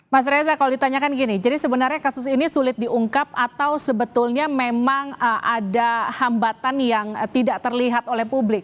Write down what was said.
mas reza kalau ditanyakan gini jadi sebenarnya kasus ini sulit diungkap atau sebetulnya memang ada hambatan yang tidak terlihat oleh publik